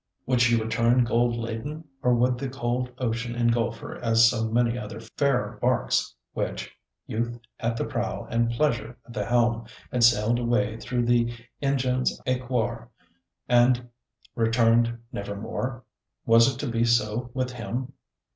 Would she return gold laden, or would the cold ocean engulf her as so many other fairer barks which, "youth at the prow and pleasure at the helm," had sailed away through the ingens aequor, and returned nevermore? Was it to be so with him?